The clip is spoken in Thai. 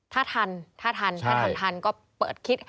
ถ้าทันถ้าทันถ้าทันทันก็เปิดคิด